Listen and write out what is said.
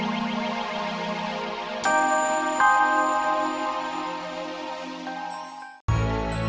lo theory juga sudah sanggup